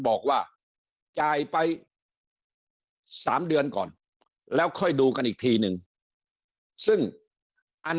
บอกว่าจ่ายไป๓เดือนก่อนแล้วค่อยดูกันอีกทีนึงซึ่งอัน